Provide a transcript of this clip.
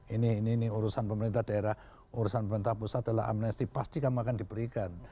ini ini urusan pemerintah daerah urusan pemerintah pusat adalah amnesti pasti kamu akan diberikan